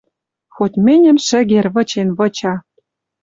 Хоть мӹньӹм шӹгер вычен-выча